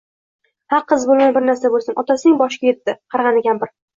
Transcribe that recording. Ha, qiz bo`lmay har narsa bo`lsin, otasining boshiga etdi, qarg`andi kampir